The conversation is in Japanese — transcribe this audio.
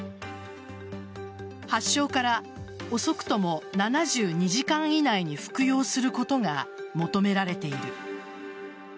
発症から遅くとも７２時間以内に服用することが求められている。